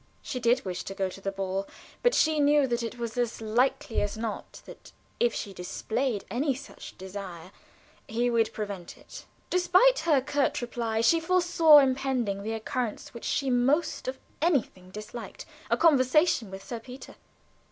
She did wish to go to the ball, but she knew that it was as likely as not that if she displayed any such desire he would prevent it. Despite her curt reply she foresaw impending the occurrence which she most of anything disliked a conversation with Sir Peter.